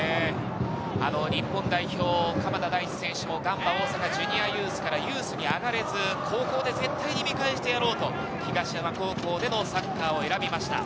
日本代表・鎌田大地選手もガンバ大阪ジュニアユースからユースに上がれず、高校で絶対見返してやろうと、東山高校でのサッカーを選びました。